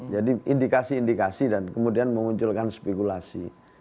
jadi indikasi indikasi dan kemudian memunculkan spikulasi